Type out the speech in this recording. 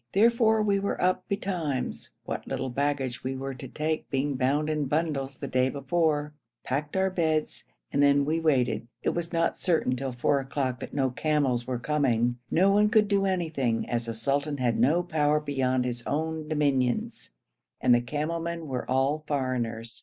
Therefore we were up betimes (what little baggage we were to take being bound in bundles the day before), packed our beds, and then we waited; it was not certain till four o'clock that no camels were coming. No one could do anything, as the sultan had no power beyond his own dominions, and the camel men were all foreigners.